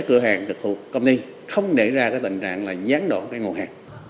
các cửa hàng thực thụ công ty không để ra tình trạng gián đổ nguồn hàng